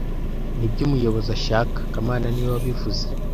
Nibyo umuyobozi ashaka kamana niwe wabivuze